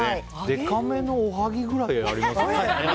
でかめのおはぎぐらいありますね。